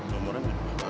nomornya bener bener lama